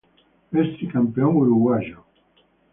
Es tricampeón uruguayo.